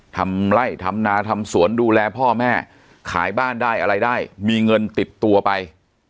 ทำไล่ทำนาทำสวนดูแลพ่อแม่ขายบ้านได้อะไรได้มีเงินติดตัวไป